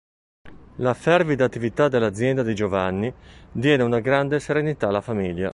La fervida attività dell'azienda di Giovanni diede una grande serenità alla famiglia.